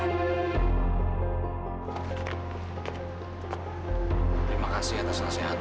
kalau terus menerus berlarut dalam kesedihan